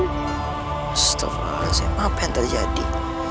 astaghfirullahaladzim apa yang terjadi